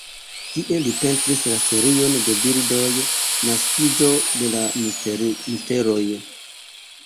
Tie li pentris la serion de bildoj Naskiĝo de la misteroj.